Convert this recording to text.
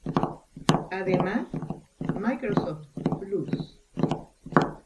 Además, Microsoft Plus!